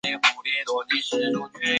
明清时升正四品。